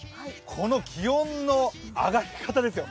この気温の上がり方ですよ。